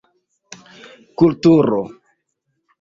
Kulturo: